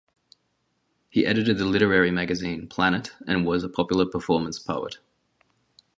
He edited the literary magazine, "Planet", and was a popular performance poet.